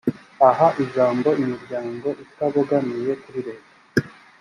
aha ijambo imiryango itabogamiye kuri leta